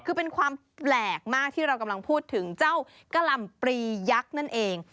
คือเป็นความแปลกมากที่เรากำลังพูดถึงเจ้ากะหล่ำปรียักษ์นั่นเอง